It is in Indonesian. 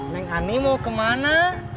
neng ani mau kemana